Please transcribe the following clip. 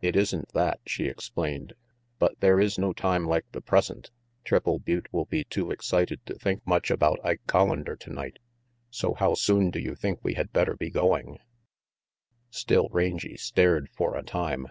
"It isn't that," she explained, "but there is no time like the present. Triple Butte will be too RANGY PETE 159 excited to think much about Ike Collander tonight, so how soon do you think we had better be going?" Still Rangy stared for a time.